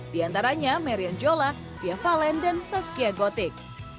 diantaranya marian jola fia fallen dan saskia gotik